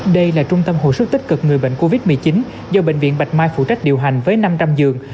đây là trung tâm hồi sức tích cực người bệnh covid một mươi chín do bệnh viện bạch mai phụ trách điều hành với năm trăm linh giường